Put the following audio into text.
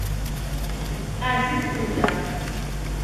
Ɛzizet temgeṛṭ.